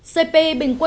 cpi bình quang